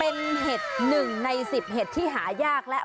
เป็นเหตุหนึ่งในสิบเหตุที่หายากละ